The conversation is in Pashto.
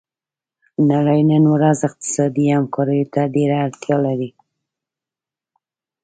نړۍ نن ورځ اقتصادي همکاریو ته ډیره اړتیا لري